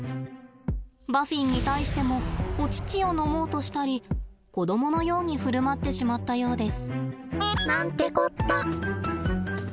バフィンに対してもお乳を飲もうとしたり子どものように振る舞ってしまったようです。